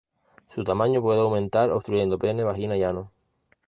Su tamaño puede aumentar obstruyendo pene, vagina y ano.